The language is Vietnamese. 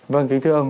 vâng kính thưa ông